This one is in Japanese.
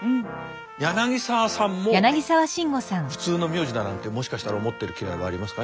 柳沢さんも普通の名字だなんてもしかしたら思ってるきらいはありますか？